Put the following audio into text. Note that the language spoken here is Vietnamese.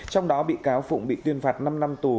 trong đó bị cáo phụng bị tuyên phạt năm năm tù